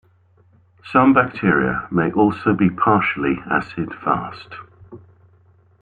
Some bacteria may also be partially acid-fast.